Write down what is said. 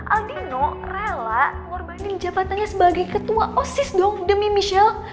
aldino rela mengorbanin jabatannya sebagai ketua osis dong demi michelle